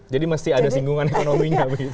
jadi mesti ada singgungan ekonominya begitu